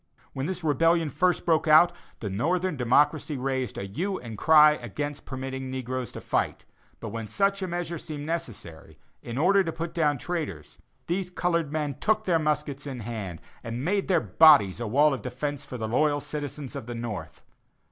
When this rebellion first broke out, the northern democracy raised a hue and cry against permitting the negroes to fight; but when such a measure seemed necessary, in order to put down traitors, these colored men took their muskets in hand and made their bodies a wall of defence for the loyal citizens of the north.